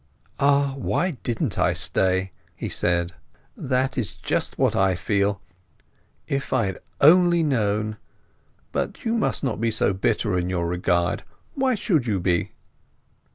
"Ah—why didn't I stay!" he said. "That is just what I feel. If I had only known! But you must not be so bitter in your regret—why should you be?"